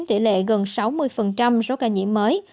tỷ lệ gần sáu mươi số ca nhiễm mới